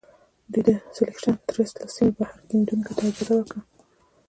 دوی د سیلکشن ټرست له سیمې بهر کیندونکو ته اجازه ورکړه.